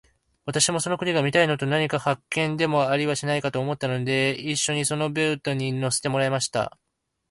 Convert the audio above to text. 私もその国が見たいのと、何か発見でもありはしないかと思ったので、一しょにそのボートに乗せてもらいました。